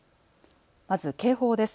まず警報です。